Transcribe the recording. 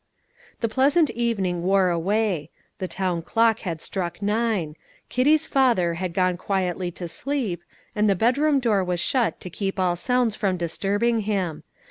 The pleasant evening wore away; the town clock had struck nine; Kitty's father had gone quietly to sleep, and the bedroom door was shut to keep all sounds from disturbing him.